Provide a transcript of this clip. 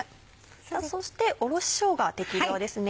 さぁそしておろししょうが適量ですね。